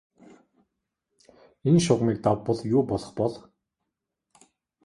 Энэ шугамыг давбал юу болох бол?